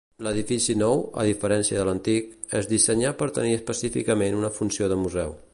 L'edifici nou, a diferència de l'antic, es dissenyà per tenir específicament una funció de museu.